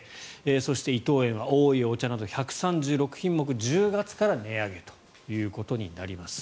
そして伊藤園はおいお茶など１３６品目１０月から値上げとなります。